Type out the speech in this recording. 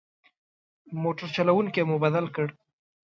موټر چلوونکی مو بدل کړ.